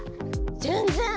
ぜんぜん！